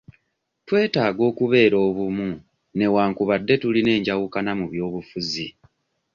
Twetaaga okubeera obumu newankubadde tulina enjawukana mu by'obufuzi.